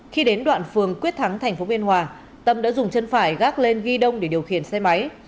khi đến đoạn phường quyết thắng tp biên hòa tâm đã dùng chân phải gác lên ghi đông để điều khiển xe máy